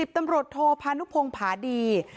ตำรวจโทพานุพงภาดี